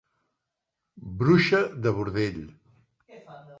Bruixa de bordell.